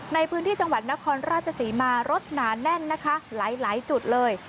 ในพื้นที่จังหวัดนครราชศรีมารถหนาแน่นนะคะหลายจุดเลย